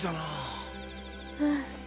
うん。